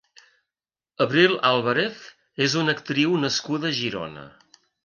Abril Álvarez és una actriu nascuda a Girona.